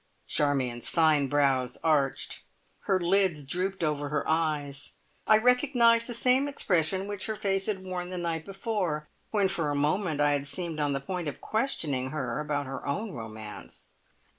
Charmion's fine brows arched, her lids drooped over her eyes. I recognised the same expression which her face had worn the night before, when for a moment I had seemed on the point of questioning her about her own romance.